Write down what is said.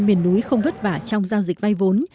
miền núi không vất vả trong giao dịch vay vốn